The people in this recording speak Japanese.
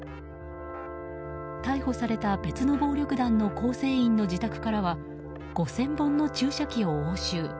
逮捕された別の暴力団の構成員の自宅からは５０００本の注射器を押収。